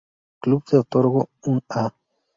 Club de otorgó un A-.